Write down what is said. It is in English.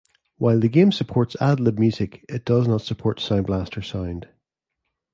While the game supports AdLib music, it does not support SoundBlaster sound.